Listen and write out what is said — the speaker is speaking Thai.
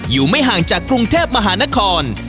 อยู่ไม่ห่างจากกรุงเทพมหานคร